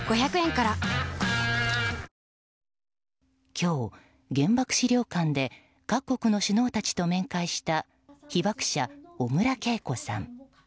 今日、原爆資料館で各国の首脳たちと面会した被爆者・小倉桂子さん。